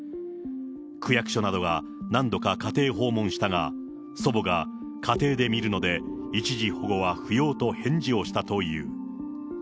区役所などが何度か家庭訪問したが、祖母が家庭で見るので、一時保護は不要と返事をしたという。